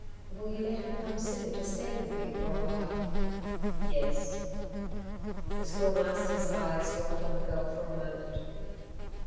Will you let her come soon to stay with me for a while?" "Yes." The Schoolmaster's eyes dwelt on the girl for a moment.